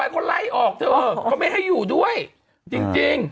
ก็ไม่ให้อยู่ด้วยจริง